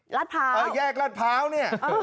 รัดพร้าวเออแยกรัดพร้าวเนี้ยเออ